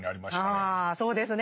あそうですね。